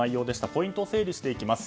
ポイントを整理していきます。